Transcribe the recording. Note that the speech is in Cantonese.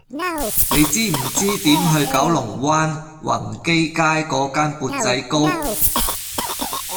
你知唔知點去九龍灣宏基街嗰間缽仔糕